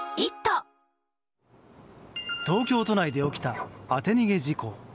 東京都内で起きた当て逃げ事故。